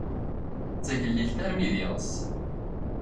D tigellilt armi d iɣes.